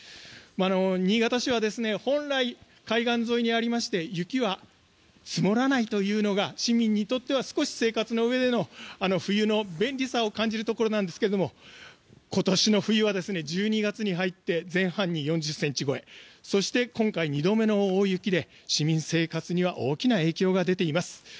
新潟市は本来、海岸沿いにありまして雪は積もらないというのが市民にとっては少し生活のうえでの冬の便利さを感じるところなんですが今年の冬は１２月に入って前半に４０ｃｍ超えそして今回２度目の大雪で市民生活には大きな影響が出ています。